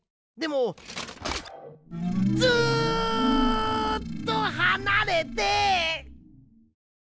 ずっとはなれて。